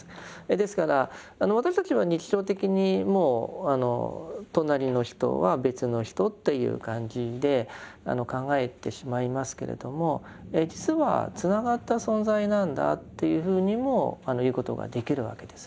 ですから私たちは日常的にもう隣の人は別の人という感じで考えてしまいますけれども実はつながった存在なんだというふうにも言うことができるわけです。